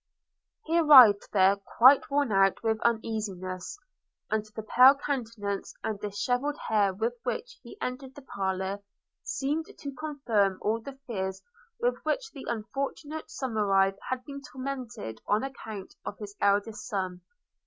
He arrived there, quite worn out with uneasiness; and the pale countenance and dishevelled hair with which he entered the parlour, seemed to confirm all the fears with which the unfortunate Somerive had been tormented on account of his eldest son.